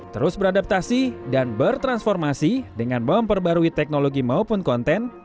terus beradaptasi dan bertransformasi dengan memperbarui teknologi maupun konten